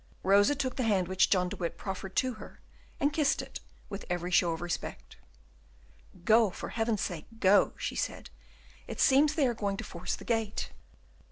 Rosa took the hand which John de Witt proffered to her, and kissed it with every show of respect. "Go! for Heaven's sake, go!" she said; "it seems they are going to force the gate."